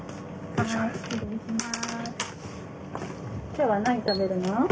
今日は何食べるの？